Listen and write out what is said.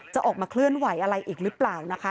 จะออกมาเคลื่อนไหวอะไรอีกหรือเปล่านะคะ